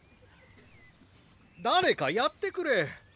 誰かやってくれ。